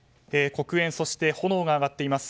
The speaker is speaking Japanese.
黒煙、そして炎が上がっています。